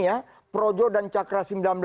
ya projo dan cakra